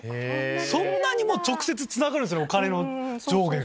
そんなに直接つながるんすねお金の上下が。